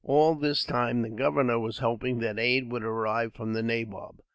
All this time, the governor was hoping that aid would arrive from the nabob.